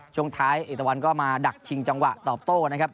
ช่วงท้ายเอกวันก็มาดักชิงจังหวะตอบโต้นะครับ